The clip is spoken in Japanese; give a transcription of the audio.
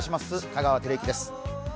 香川照之です。